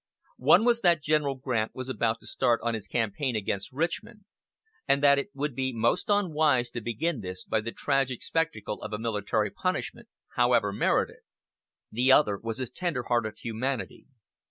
One was that General Grant was about to start on his campaign against Richmond, and that it would be most unwise to begin this by the tragic spectacle of a military punishment, however merited. The other was his tender hearted humanity.